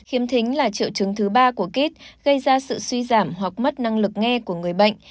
khiếm thính là triệu chứng thứ ba của kit gây ra sự suy giảm hoặc mất năng lực nghe của người bệnh